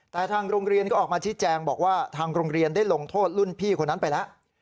แต่ทางโรงเรียนก็ออกมาชี้แจงบอกว่าทางโรงเรียนได้ลงโทษรุ่นพี่คนนั้นไปแล้ว